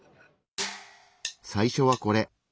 最初はこれ。